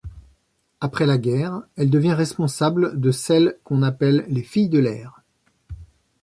Après la guerre, elle devient responsable de celles qu'on appelle les Filles de l'air.